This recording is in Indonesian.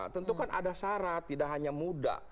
tentu kan ada syarat tidak hanya muda